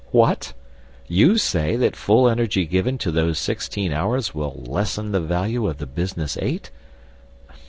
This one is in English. What? You say that full energy given to those sixteen hours will lessen the value of the business eight?